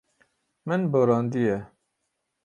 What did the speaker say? Min borandiye.